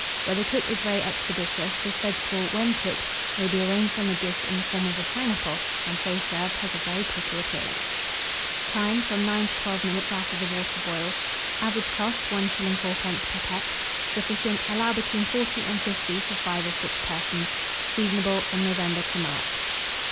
Where the cook is very expeditious, this vegetable, when cooked, may be arranged on the dish in the form of a pineapple, and, so served, has a very pretty appearance. Time. From 9 to 12 minutes after the water boils. Average cost, 1s. 4d. per peck. Sufficient. Allow between 40 and 50 for 5 or 6 persons. Seasonable from November to March.